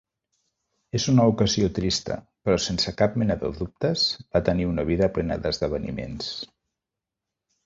És una ocasió trista, però sense cap mena de dubtes va tenir una vida plena d'esdeveniments.